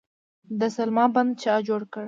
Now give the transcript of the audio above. د سلما بند چا جوړ کړ؟